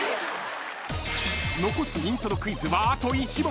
［残すイントロクイズはあと１問］